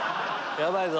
ヤバいぞ！